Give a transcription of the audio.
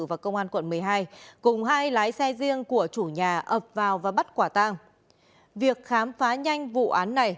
và công an quận một mươi hai cùng hai lái xe riêng của chủ nhà ập vào và bắt quả tang việc khám phá nhanh vụ án này